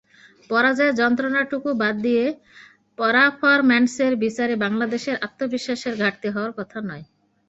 পরাজয়ের যন্ত্রণাটুকুু বাদ দিয়ে পরাফরম্যান্সের বিচারে বাংলাদেশের আত্মবিশ্বাসের ঘাটতি হওয়ার কথা নয়।